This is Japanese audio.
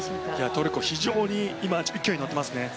トルコは非常に今勢いに乗ってます。